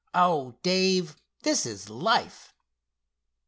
Oh, Dave, this is life!"